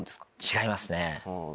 違いますね。